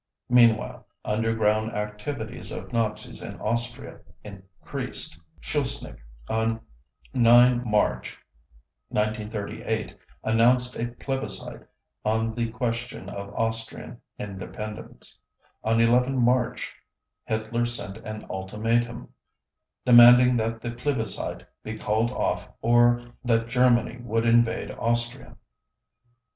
Meanwhile, underground activities of Nazis in Austria increased. Schuschnigg, on 9 March 1938, announced a plebiscite on the question of Austrian independence. On 11 March Hitler sent an ultimatum, demanding that the plebiscite be called off or that Germany would invade Austria.